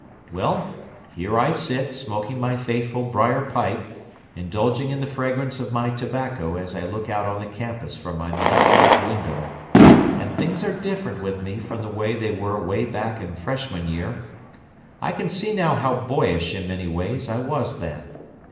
Well, here I sit smoking my faithful briar pipe, indulging in the fragrance of my tobacco as I look out on the campus from my many paned window, and things are different with me from the way they were way back in Freshman year. I can see now how boyish in many ways I was then.